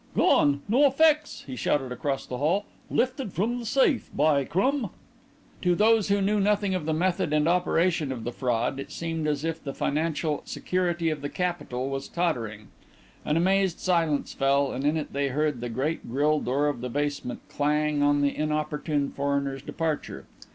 "Gone, no effects," he shouted across the hall. "Lifted from 'The Safe,' by crumb!" To those who knew nothing of the method and operation of the fraud it seemed as if the financial security of the Capital was tottering. An amazed silence fell, and in it they heard the great grille door of the basement clang on the inopportune foreigner's departure.